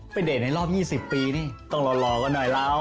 ไปเดกนั้นรอบ๒๐ปีเนี่ยต้องหล่อยก่อนหน่อยเราน์